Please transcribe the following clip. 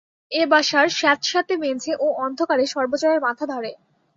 এ বাসার স্যাৎসেঁতে মেজে ও অন্ধকারে সর্বজয়ার মাথা ধরে।